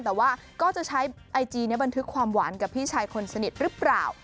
แต่ว่าก็จะใช้ไอจีบันทึกความหวานกับพี่ชายคนสนิทหรือเปล่า